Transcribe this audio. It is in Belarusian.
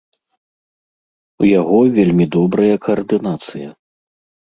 У яго вельмі добрая каардынацыя.